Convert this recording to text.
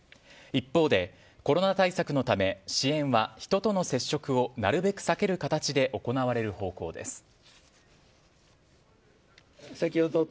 一方で、コロナ対策のため支援は人との接触をなるべく避ける形で行われる方向です。